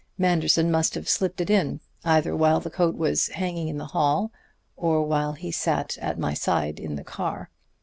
Manderson must have slipped it in, either while the coat was hanging in the hall or while he sat at my side in the car.